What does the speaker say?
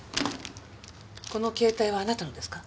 この携帯はあなたのですか？